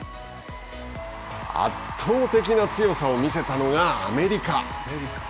圧倒的な強さを見せたのが、アメリカ。